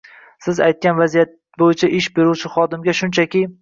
Siz aytgan vaziyat bo‘yicha ish beruvchi xodimga shunchaki